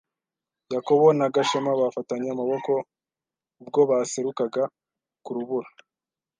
Yakobo na Gashema bafatanye amaboko ubwo baserukaga ku rubura.